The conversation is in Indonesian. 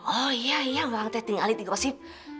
oh iya iya orang teh tinggalin dikosip